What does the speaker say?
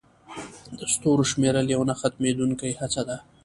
د ستورو شمیرل یوه نه ختمېدونکې هڅه ده.